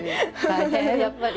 やっぱり。